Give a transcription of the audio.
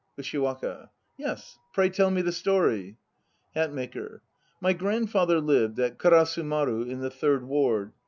USHIWAKA. Yes, pray tell me the story. HATMAKER. My grandfather lived at Karasu maru in the Third Ward.